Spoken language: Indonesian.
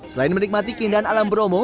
selain menikmati keindahan alam bromo